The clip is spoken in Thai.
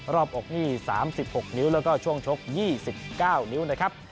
บอกอกนี่๓๖นิ้วแล้วก็ช่วงชก๒๙นิ้วนะครับ